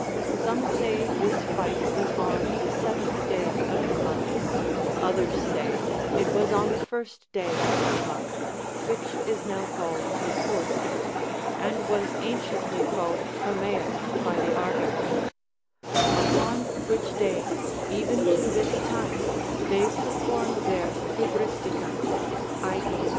Some say this fight was on the βΟΛ'οηίΙι day of the month ; others say it vvas on the first day of the month, Λvhich is now called the fourth and was anciently called Hermaeus by the Ar gives ; upon which day, even to this time, they perform their Hybristica (i.e.